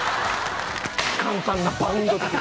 簡単なバウンド。